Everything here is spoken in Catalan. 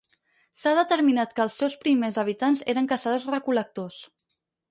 S'ha determinat que els seus primers habitants eren caçadors-recol·lectors.